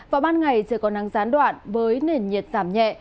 vào ban ngày trời có nắng gián đoạn với nền nhiệt giảm nhẹ